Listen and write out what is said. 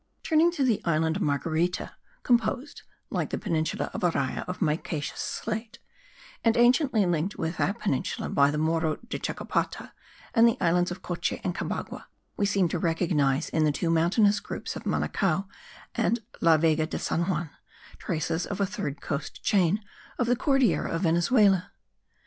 Turning to the island of Marguerita, composed, like the peninsula of Araya, of micaceous slate, and anciently linked with that peninsula by the Morro de Chacopata and the islands of Coche and Cubagua, we seem to recognize in the two mountainous groups of Macanao and La Vega de San Juan traces of a third coast chain of the Cordillera of Venezuela.